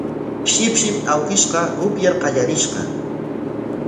Shipshim awkishqa upyar qallarishqa